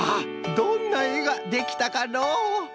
どんなえができたかのう？